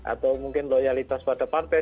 atau mungkin loyalitas pada partai